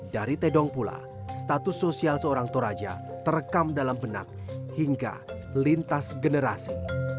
dari tedong pula status sosial seorang toraja terekam dalam benak hingga lintas generasi